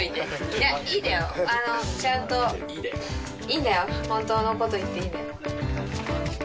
いやいいんだよちゃんといいんだよ本当のこと言っていいんだよ